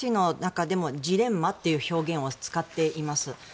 ＩＯＣの中でもジレンマという表現を使っています。